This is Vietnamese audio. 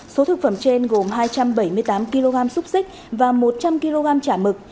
số thực phẩm trên gồm hai trăm bảy mươi tám kg xúc xích và một trăm linh kg chả mực